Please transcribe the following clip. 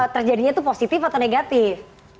terjadinya itu positif atau negatif